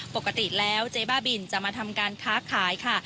ปกติแล้วเจ๊บ้าบินจะมาทำการค้าขายค่ะ